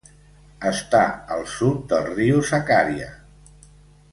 Està al sud del riu Sakarya.